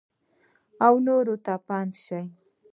ونورو ته پند شه !